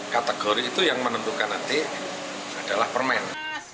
kategori itu yang menentukan nanti adalah permen